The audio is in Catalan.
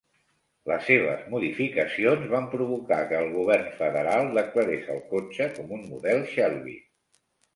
Les seves modificacions van provocar que el govern federal declarés el cotxe com un model Shelby.